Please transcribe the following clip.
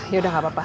yaudah gak apa apa